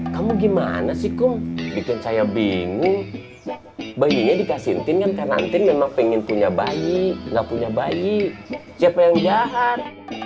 kamu gimana sih kum bikin saya bingung bayinya dikasihin tintin kan karena tintin memang pingin punya bayi nggak punya bayi siapa yang jahat